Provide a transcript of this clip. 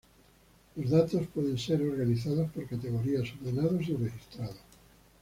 Los datos pueden ser organizados por categorías, ordenados y registrados.